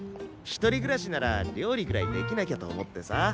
１人暮らしなら料理ぐらいできなきゃと思ってさ。